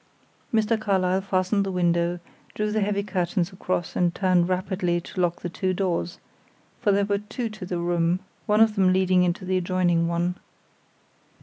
Mr. Carlyle fastened the window, drew the heavy curtains across, and turned rapidly to lock the two doors for there were two to the room, one of them leading into the adjoining one.